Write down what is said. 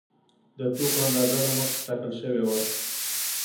د توکو اندازه له مخکې ټاکل شوې وه